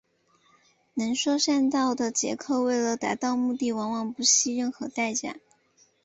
能说善道的杰克为了达到目的往往不惜任何代价。